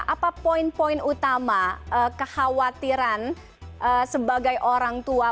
apa poin poin utama kekhawatiran sebagai orang tua